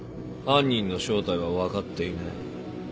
犯人の正体は分かっていない。